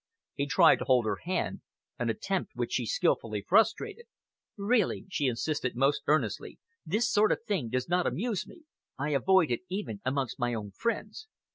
He tried to hold her hand, an attempt which she skilfully frustrated. "Really," she insisted earnestly, "this sort of thing does not amuse me. I avoid it even amongst my own friends."